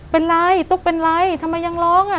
เป็นไรตุ๊กเป็นไรทำไมยังร้องอ่ะ